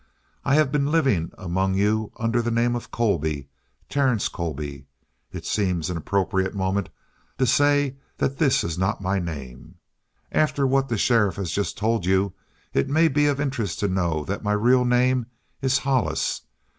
"I have been living among you under the name of Colby Terence Colby. It seems an appropriate moment to say that this is not my name. After what the sheriff has just told you it may be of interest to know that my real name is Hollis.